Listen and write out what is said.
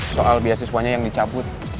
soal biasiswanya yang dicabut